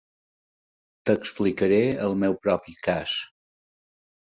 T"explicaré el meu propi cas.